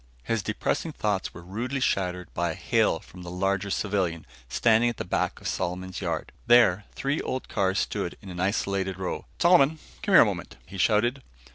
His depressing thoughts were rudely shattered by a hail from the larger civilian, standing at the back of Solomon's yard. There, three old cars stood in an isolated row. "Solomon, come here a moment," he shouted.